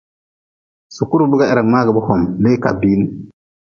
Sukure biga hera mngaagʼbe hom, lee ka biin.